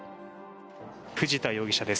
藤田容疑者です。